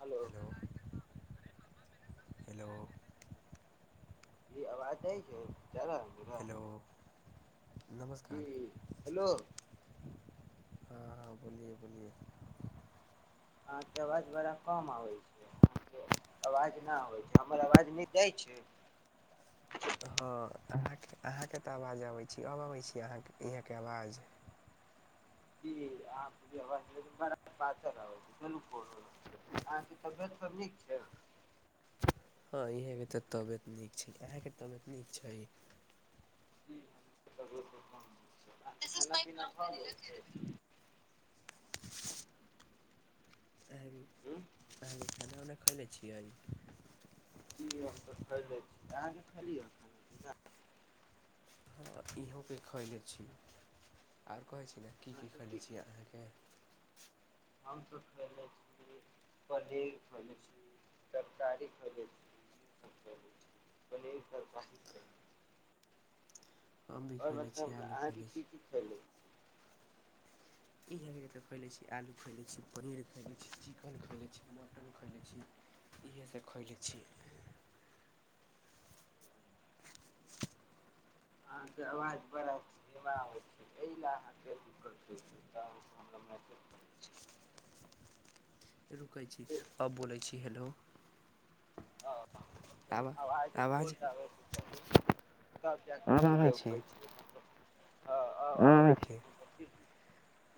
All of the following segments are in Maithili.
हेलो। हेलो। ई आवाज आइ छै। हेलो जी नमस्कार हेलो। हँँ बोलिए बोलिए ह के आवाज बड़ा कम आबै छै होइ छै हमर आवाज नहि जाइ छै हँ अहाँके अहाँके तऽ आवाज अबै छी अब अबै छी अहाँके इहेके आवाज जी अहके्य बड़ा पातर आबै छै कोन अहाँके तबियत सब नीक छै हँ इहे के त तबियत नीक छै इहेके तबियत नीक छै। प [inaudible] हू। अह खाना उना खयले छियै। हम त खरीले छी अहाँके खी खाना ने तऽ इहप खैले छी आर कहै छी ने की की खयले छी अहाँके। ह। हमसभ खयले छी पनीर खैले छी तरकारी खले छीसभ पनीर तरकारी। हम भी आओर खयले छी मतलब आलू अहाँके खयले की छी चीज छलू। इएहत खै लै छीै आलू खुए लै छीै पनीर खए लै छी चिकन खुए लै छीै मटन खैए लै छीै इएहसभ खोए लै छीै। अहाँके अवाज बड़ा निै छै लाँ प कर कर रुकै छी आब बोलै छी हैेलो। हँ। आवाज बोलडबै के चाही त जाक आब आबै ले छै छैल। आबै छै फिर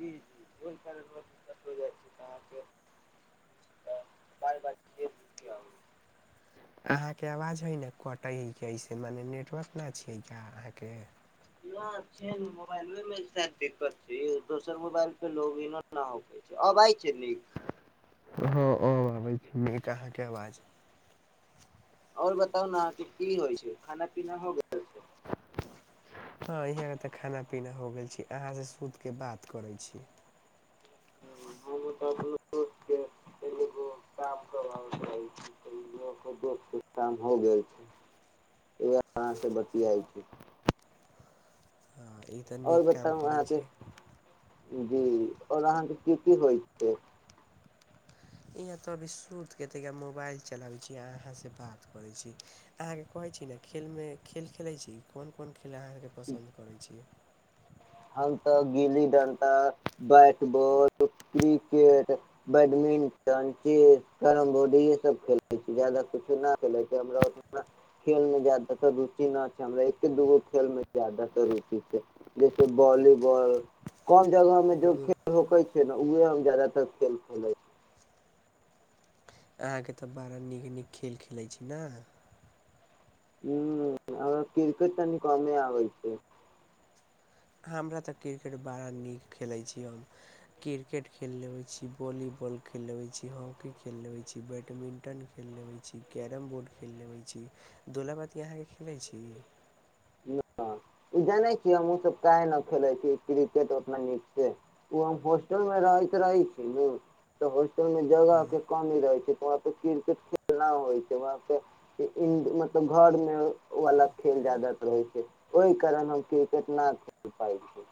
जी जी ओहि कारण दिक्कत हो जाइ छै त अहाँके बार बार अहाँके आवाज हइ ने कटै हइसे मने नेटवर्क नहि छियै क्या अहाँके। छै ने मोबाइलो मे दिक्कत छै दोसर मोबाइल पे लोग हो छै अबइ छै नीक। हां अब आबैई छे निक। कहाँके आवाज आओर बताउ ने अहाँके की होइ छै खाना पीना हो गेल छै। हँ यहाँके तऽ खाना पीना हो गेल छी अहाँ से सुत के बात करै छी। ह हमऽ दस्त को काम कर चाह छी दोस के काम हो गेल छै उह अाँ से बतियाइ छै। हँ ई तऽ नीक काम करैत अहाँके छी। जी और अहाँके की की होइ छै। इहाँ तऽ अभी सुत के ता मोबाइल चलाबे छी अहा से बात करे छी अहाँ के कहे छी ने खेल में खेल खेले छी कोन कोन खेलाहारके पसन्द करै छियै। हम तऽ गिल्ली डंटा bat ball cricket badminton chess carrom board ये सब खेले छी जादा कुछो न खेले छै हमरा उत खेल में जदातर रुचि न छै हमरा एके दूगो खेल में जादातर रुचि छै। वॉलीबॉल कम जगह मे जो खेल होकै छै ने उह हम जदातर खेल खेलैत छी। अहाँके तऽ बड़ा नीक नीक खेल खेलैत छी न। ह ह करिकेट तनी कमे आै छै। हमरा तऽ क्रिकेट बड़ा नीक खेलै छी हम क्रिकेट खेल लेबै छी वॉलीबॉल खेल लेबै छी हॉकी खेल लेबै छी बैडमिंटन खेल लेबै छी कैरम बोर्ड खेल लेबै छी दुोल बाती अहाँके खेलैत छी। ई जानै छिय हम ओ सब काह न खेले छी क्रिकेट उतना नीक से ओ हम होॉस्टल मे रहैत रहे छी त ओहिमे जगह हँ के कमी रहै छै वहाँ पे क्रिकेट खेलना होइ छै वहाँ पे मतलब घर मे वाला खेल जााद रहै छै ओहि कारण हम क्रिकेट न ख पाय छी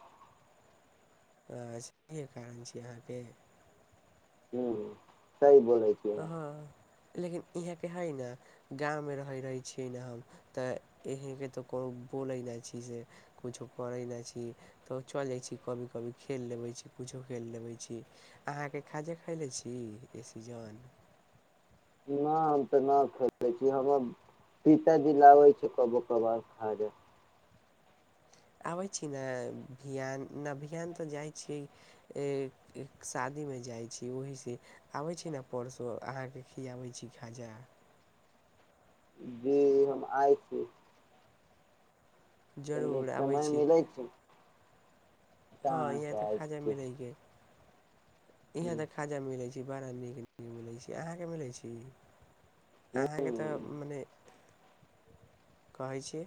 सह कारण छी अहाँके हू सह बोलै छिय। हँ लेकिन इहाँके हइ ने गाँवमे रहैत रहैत छीियै ने हम तऽ यहँके तऽ कोनो बोलैत नहि छी से कछो करैत नहि छी तऽ चलि जाइत छी कभी कभी खेल लेबैत छी कुछो खेल लेबैत छी अहाँके खाजे खयले छी ई सीजन। नहि हम तऽ नहि खेलै छी हमर पिताजी लाबै छै कबो कभार खाजा। आबै छी ने विियान नहि विियान तऽ जाइ छियै शादीमे जाइ छी ओहीसँ आबै छी ने परसू अहाँकेँ खियाबै छी खाजा। जी हम आइ छी तऽ जरूर नीक आबै समय छी मिलै छैतय हँ अहाँसँ आय छी इहाँ हूँ तऽ खाजा मिलै छै बड़ा नीक नीक मिलै छी अहाँके मिलै छी हूँ अहाँकेँ तऽ मने कहै छी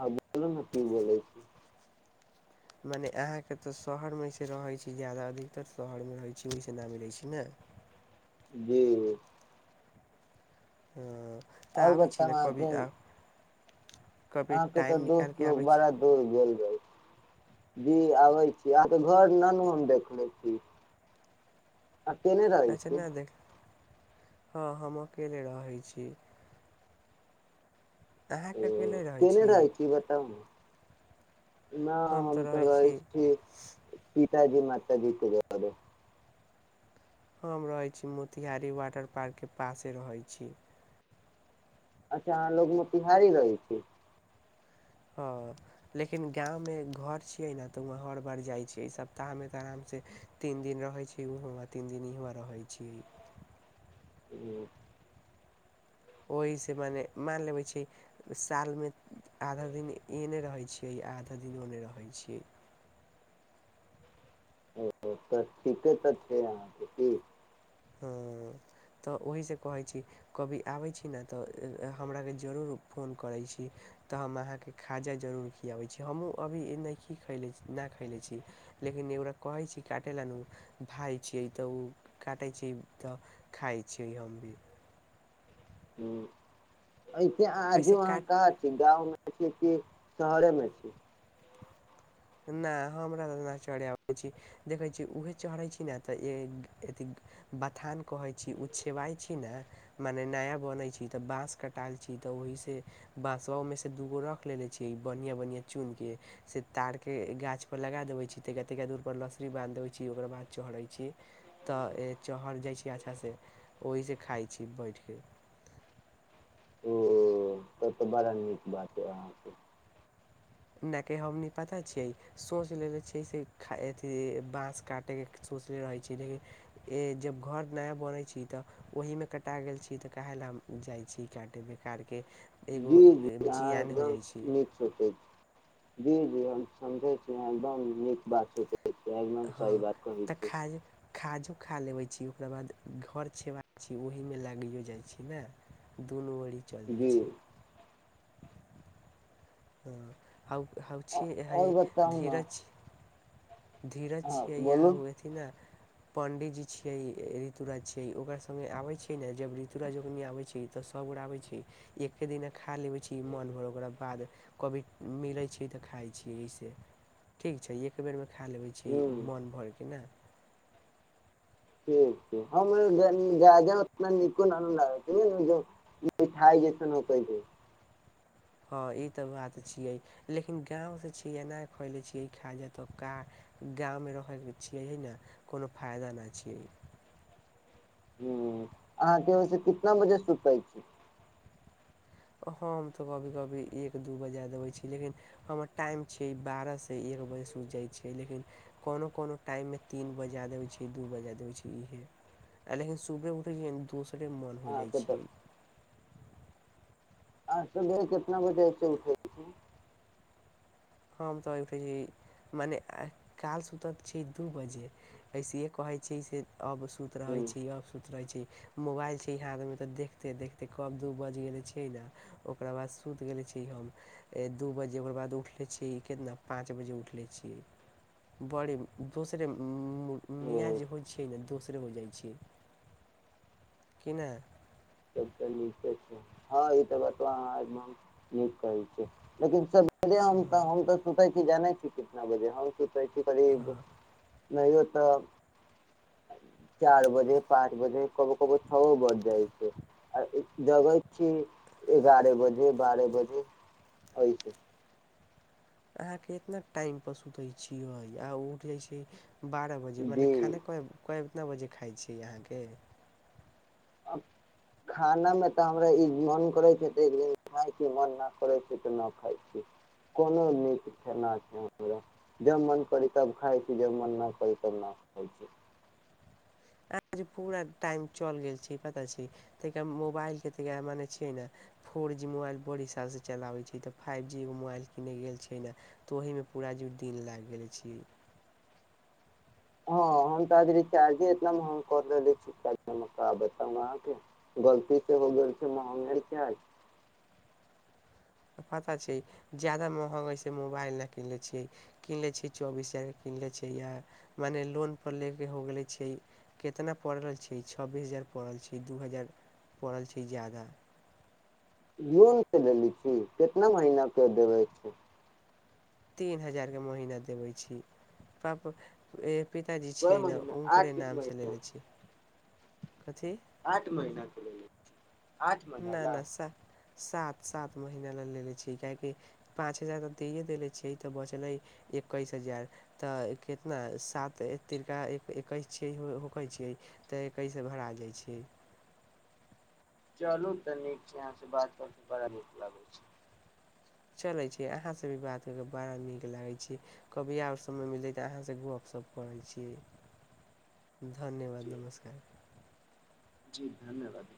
हँ बोलू ह ती बोलै छी मने अहाँके तऽ शहरमेइसे रहै छी ज्यादा अधिकतर शहरमे रहै छी वहिसँ न मिलै छै ने जी ह आओर बतामेकेे कभी अहां के तो टाइम निकालि दोस्त कऽ लोग आबै छी बड़ा दूर गेल जी आबै छी अहाँके घर नन हम देखे छी आ केने रहै अच्छा छियै नहि देख हँ हम अकेले रहै छी ओ अहाँके अकेले रहै केने रहाय छी बता न हम तऽै छी मताजी मताजी छै हम रहैत छी मोतिहारी वाटर पार्कके पासे रहैत छी अच्छा अहाँ लोग मोतिहारी रहै छी हँ लेकिन गाँवमे घर छियै ने तऽ वह हर बार जाइ छियै सप्ताहमे तऽ आरामसँ तीन दिन रहै छै ओहोमे तीन दिन इहआाँ रहै छियै ह ओहीसँ मने मानि लेबै छै सालमे आधा दिन एने रहै छियै आधा दिन ओने रहै छियै ओ तऽ ठीके तऽ छै अहाँके की हँ तऽ ओहीसँ कहैत छी कभी आबैत छी ने तऽ हमराकेँ जरूर फोन करैत छी तऽ हम अहाँके खाजा जरूर खियाबैत छी हमहूँ अभी नहि खीले नहि खैले छी लेकिन ओकरा कहै छी काटै लेलए भाय छियै तऽ ओ कटै छी तऽ खाइ छी हम भी ह ऐसे आज ऐसे अहाँ काट कह छी गाँव मे शहरे मे छै नहि हमरा तऽना चढ़ अबैत छी देखैत छी उएहे चढ़ैत छी ने तऽ अथ बथान कहैत छी ओ छेबइत छी ने मने नया बनैत छी तऽ बाँस कटाल छी तऽ ओहिसँ बाँस ओहिमे से दूगो रख लेलेने छी बढ़िआँ बढ़िआँ चुन क से तार के गाछपर लगा देबै छी त कतादूरपर लसड़ी बान्हि देबै छी ओककर बाद चढ़ै छी तऽ चढ़ि जाइ छी अच्छासँ ओहिसँ खाइ छी बैठिक ओ त तऽ बड़ा नीक बात ह अहाँके नहि कि हमनी पता छियै सोच लेले छिय से अथ बाँस काटे के सोचले रहै छीिय लेकिन जब घर नया बनैत छी तऽ ओहीमे कटा गेल छी तऽ के लए हम जाइ छी काटे बेकार के एगो जी जी अहाँ जियान हो एकदम जाइ छै। नीक सोचै जी जी हम समझे छीह एकदम नीक बात छते। गमे हम सही बात कहैत छै सुखा लेवे छी ओकरा बाद घर छेवा छी ओहि में लागियो जाय छी ने दुनू चलि जाइ जी छै। हँ। आ ह छी इ आओर बताउ ने धीरज धीरज हँ छियै इएह बोलू हु अथिन ने पं्डितजी छियै ऋतुराज छियै ओकर से आब छियै ने जब ऋतु राजजोखनि आबै छै। तऽ सबगोरा आबै छी एक्े दििन खा लेबै छी मन भर ओकरा बाद कभी मिलै छी तऽ खाइ छी एहिसँ ठीक छै एक बेरमे। खा लेबै छी ह्म मोन भर के ने। ठीक छै हमा उतना नीको न लागैठाइ जेस कहै हँ ई तऽ बात छियै लेकिन गाँवसँ छियै एना खयलै छियै खायल जाय तऽ का गाँवमे रहयके छियै ह ने कोनो फायदा नहि छियै। ह्म अहाँके ओहिसँ कितना बजे सुतै छी। हँ हम तऽ कभी कभी एक दू बजे देबैत छीियै लेकिन हमर टाइम छैिय बारहसँ एक बजे सुति जाइत छियै लेकिन कोनो कोनो टाइममे तीन बजेा देबैत छियै दू बजे देबैत छीियै इहे लेकिन सुबहे उठैत छिय दोस ओरे मन हो जाइ अहाँके छै। तऽ आ सुबह कितना बजेे उठै हम तऽ उठै छी मने काल सुतत छी दू बजे वइसे कहैत छी से अब सुत रहै ह्म छै अब सु रह छै मोबाइल छै यहाँ आ त देखते देखते कब दू बज गेले छियै ने ओकरा बाद सुति गेले छीै हम दू बजे ओकर बाद उठले छीिय। कितना पाँच बजे उठले छियै ब दोसर ओ मियाँ जे होइ छियै ने दोसरे हो जाइ छ। कि नहि। हँ ई त बत कह छै लेकिन हम तऽ हम तऽ सुतै जानै छ छी कितना बजे ह कै छी कही हँ नहियो तऽ चार बजे पाँच बजे कभो कभो छओ बज जाइ छै। आ जगै छी एगारह बजे बारह बजे एहिऐस। अहाँके इतना टाइमपर सुतै छिय आ उठ जाइ छै बारह बजे मने जी खाना क कितना बजे खाइ छिय अहाँके। आब खानामे तऽ हमरा ई मन करै छै तऽ एक दिन खाइ छी मन नहि करै छै तऽ नहि खाइ छी कोनो नीक खेनाा छै हमरा जब मन करै तब खाइ छी जब मन नहि करी तब ने खाइ छी। अ जे पूरा टाइम चलि गेल छै पता छै ताद मोबाइलके त मने छियै ने फोर जी मोबाइल बड़ी हिसालसँ चलाबैत छै तऽ फाइव जीो मोबाइल कनेय गेल छियै ने तऽ ओहीमे पूरा जुड़ दिन लागि गेल छै। हँ हम तऽ आ रचार्ज इत महंग कर रहले छीक बता अहाँके गलती से हो गेल छै महंगे रचार। पता छै जा्यदा महगइसँ मोबाइल नहि कन लै छियै कीन लै छियै चौबीस हजारके कीन लै छैिय या मने लोनपर लऽ कऽ हो गेलै छै कितना पड़ल छै छब्बीस हजार पड़ल छै दू हजार पड़ल छै ज्याददा। जो के देली छी कितना महीना के देबै छै। तीन हजारके महना देबै छी पाप पिताजी कै छियै ने महीना उकरे आठ नाम से महीना लेे छियै। कथी आठ महिना च लै [unintelligible] आज मना ना ल। ना सा सात सात महीना लग लेलेे छै काहेकि पाँच हजार तऽ दैए देेले छियै तऽ बचलै एकैस हजार तऽ कितना सात तरिका एकैस छ होकै छियै तऽ एकैस भरा जाइ छै। चलू तऽ नीक छै अहाँसँ बात कर कऽ बड़ा नीक लागैत छै। चलै छी अहाँसँ भी बात करि कऽ बड़ा नीक लागै छै कभी आबर समय मिलतै तऽ अहाँसँ गपशप करै छीियै। धन्यवाद जी नमस्कार। जी धन्यवाद।